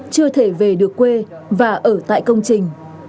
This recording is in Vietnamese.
chưa thể về được quê và ở tại công trình